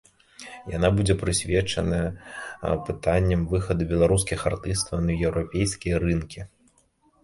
Яна будзе прысвечаная пытанням выхаду беларускіх артыстаў на еўрапейскія рынкі.